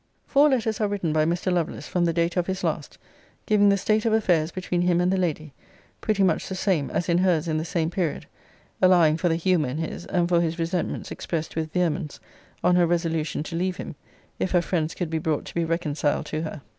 [Four letters are written by Mr. Lovelace from the date of his last, giving the state of affairs between him and the Lady, pretty much the same as in hers in the same period, allowing for the humour in his, and for his resentments expressed with vehemence on her resolution to leave him, if her friends could be brought to be reconciled to her.